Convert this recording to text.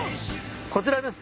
こちらです。